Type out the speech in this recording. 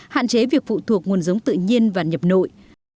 hạn chế việc phụ thuộc nguồn giống tự nhiên và nhập nội